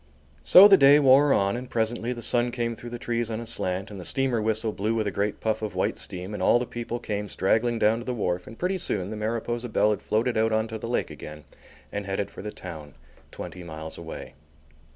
So the day wore on and presently the sun came through the trees on a slant and the steamer whistle blew with a great puff of white steam and all the people came straggling down to the wharf and pretty soon the Mariposa Belle had floated out on to the lake again and headed for the town, twenty miles away.